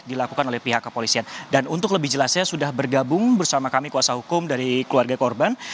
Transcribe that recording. dan untuk lebih jelasnya sudah bergabung bersama kami kuasa hukum dari keluarga korban